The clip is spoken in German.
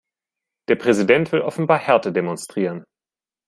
Der Präsident will offenbar Härte demonstrieren.